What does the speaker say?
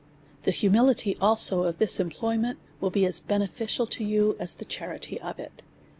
The humility also of this employment will be as be neficial to you, as the charity of it.